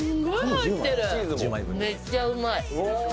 めっちゃうまい。